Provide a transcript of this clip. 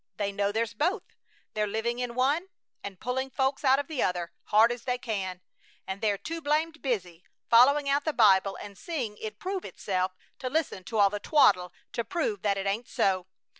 They know there's both. They're living in one and pulling folks out of the other, hard as they can; and they're too blamed busy, following out the Bible and seeing it prove itself, to listen to all the twaddle to prove that it ain't so!